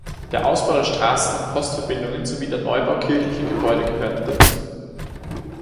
Der Ausbau der Straßen- und Postverbindungen sowie der Neubau kirchlicher Gebäude gehörten dazu.